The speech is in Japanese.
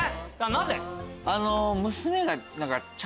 なぜ？